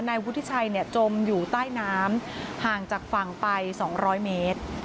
นายวุฒิชัยจมอยู่ใต้น้ำห่างจากฝั่งไป๒๐๐เมตร